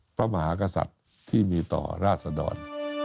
พระมหากษัตริย์ที่มีต่อราศดร